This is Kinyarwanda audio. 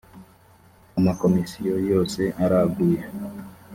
amakomisiyo yose araguye.